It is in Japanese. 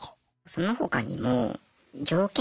その他にも条件